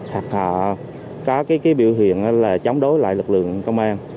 hoặc họ có cái biểu hiện là chống đối lại lực lượng công an